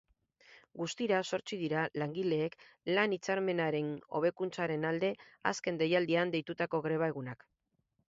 Guztira, zortzi dira langileek lan-hitzarmenaren hobekuntzaren alde azken deialdian deitutako greba egunak.